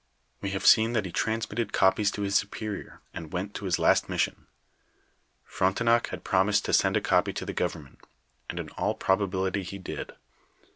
We have seen tliat he transmitted copies to his superior, and went to his last mission. Frontennc had promised to send a copy to the government, and in all proba bility he did.